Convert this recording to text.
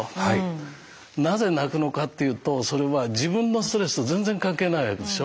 なぜ泣くのかっていうとそれは自分のストレスと全然関係ないわけでしょ。